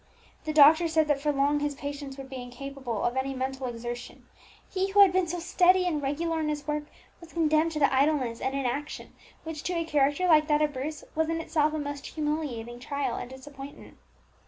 The doctor said that for long his patient would be incapable of any mental exertion; he who had been so steady and regular in his work, was condemned to the idleness and inaction which, to a character like that of Bruce, was in itself a most humiliating trial and disappointment.